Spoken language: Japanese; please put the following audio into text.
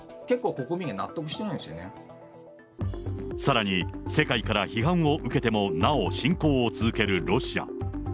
結構、さらに、世界から批判を受けても、なお侵攻を続けるロシア。